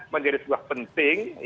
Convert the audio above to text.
menjadi sebuah penting